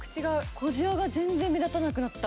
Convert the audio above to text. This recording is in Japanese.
小じわが全然目立たなくなった。